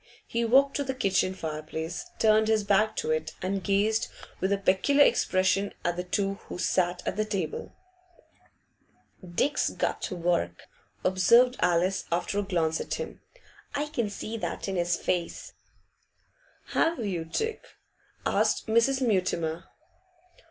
He walked to the kitchen fireplace, turned his back to it, and gazed with a peculiar expression at the two who sat at table. 'Dick's got work,' observed Alice, after a glance at him. 'I can see that in his face.'. 'Have you, Dick?' asked Mrs. Mutimer.